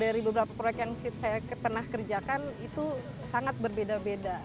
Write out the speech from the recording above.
dari beberapa proyek yang saya pernah kerjakan itu sangat berbeda beda